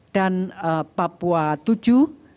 dan papua vii